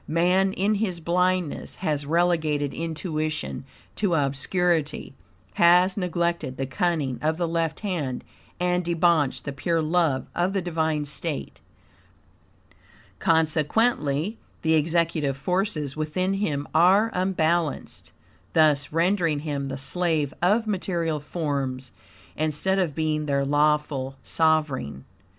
Man, in his blindness, has relegated intuition to obscurity; has neglected the cunning of the left hand and debauched the pure love of the divine state. Consequently, the executive forces within him are unbalanced, thus rendering him the slave of material forms, instead of being their lawful sovereign.